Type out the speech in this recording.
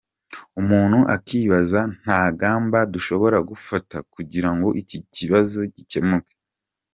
Umuntu akibaza nta ngamba dushobora gufata kugira ngo iki kibazo gikemuke?”.